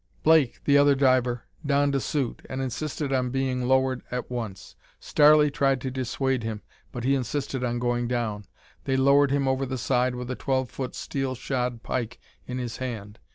"Blake, the other diver, donned a suit and insisted on being lowered at once. Starley tried to dissuade him but he insisted on going down. They lowered him over the side with a twelve foot steel shod pike in his hand.